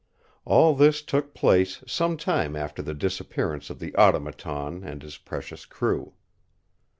All this took place some time after the disappearance of the Automaton and his precious crew.